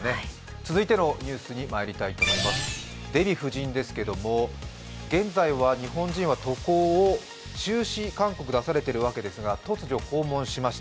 続いてのニュース、デヴィ夫人ですけども現在は日本人は渡航を中止勧告が出されているわけですが、突如訪問しました。